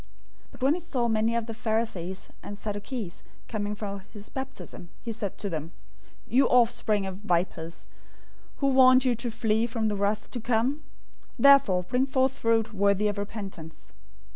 003:007 But when he saw many of the Pharisees and Sadducees coming for his baptism,{or, immersion} he said to them, "You offspring of vipers, who warned you to flee from the wrath to come? 003:008 Therefore bring forth fruit worthy of repentance!